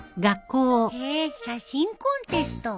へえ写真コンテスト。